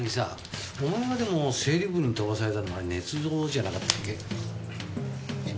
渚お前がでも整理部に飛ばされたのは捏造じゃなかったっけ？